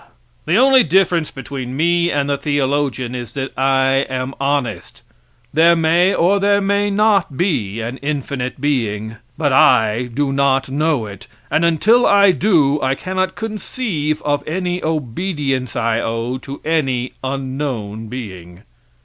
The only difference between me and the theologian is that I am honest. There may or there may not be an infinite being, but I do not know it, and until I do I cannot conceive of any obedience I owe to any unknown being.